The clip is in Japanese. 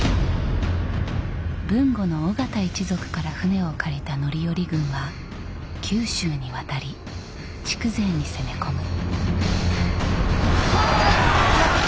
豊後の緒方一族から船を借りた範頼軍は九州に渡り筑前に攻め込む。